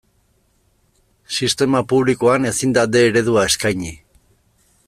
Sistema publikoan ezin da D eredua eskaini.